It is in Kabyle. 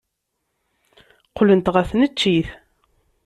Qqlent ɣer tneččit.